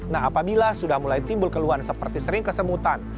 nah apabila sudah mulai timbul keluhan seperti sering kesemutan